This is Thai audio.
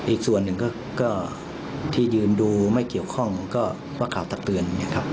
อีกส่วนหนึ่งก็ที่ยืนดูไม่เกี่ยวข้องก็ว่ากล่าวตักเตือนนะครับ